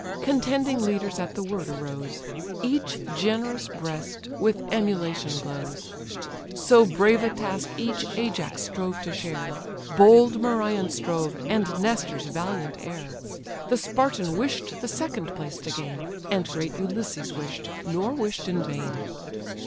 Contending leaders at the word arose; Each generous breast with emulation glows; So brave a task each Ajax strove to share, Bold Merion strove, and Nestor's valiant heir; The Spartan wish'd the second place to gain, And great Ulysses wish'd, nor wish'd in vain.